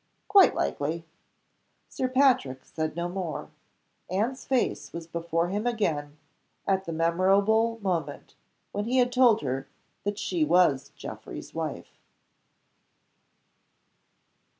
"Quite likely." Sir Patrick said no more. Anne's face was before him again at the memorable moment when he had told her that she was Geoffrey's wife.